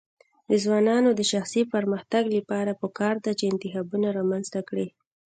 د ځوانانو د شخصي پرمختګ لپاره پکار ده چې انتخابونه رامنځته کړي.